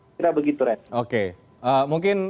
saya kira begitu reinhardt oke mungkin